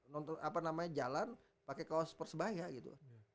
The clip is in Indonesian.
nonton apa namanya jalan pakai kaos persebaya gitu